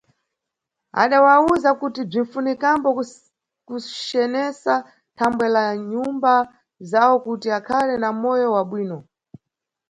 Adawawuza kuti bzinʼfunikambo kucenesa thambwe la nyumba zawo kuti akhale na moyo wabwino.